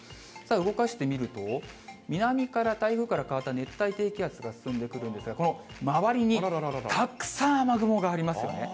動かしてみると、南から台風から変わった熱帯低気圧が進んでくるんですが、この周りにたくさん雨雲がありますよね。